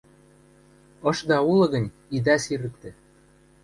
– Ышда улы гӹнь, идӓ сирӹктӹ...